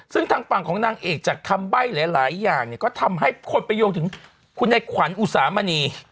ซึ่งทางฝั่งของนางเอกจากคำใบ้หลายอย่างเนี่ยก็ทำให้คนไปโยงถึงคุณในขวัญอุสามณี